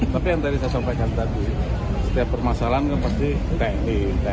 tapi yang tadi saya sampaikan tadi setiap permasalahan itu pasti tni